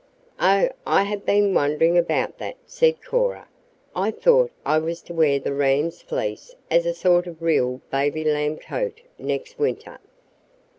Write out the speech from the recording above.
"Oh, I have been wondering about that," said Cora. "I thought I was to wear the ram's fleece as a sort of real baby lamb coat next winter."